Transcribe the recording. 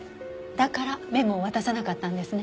だからメモを渡さなかったんですね。